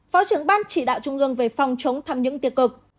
phó trưởng ban chỉ đạo trung gương về phòng chống thăm những tiêu cực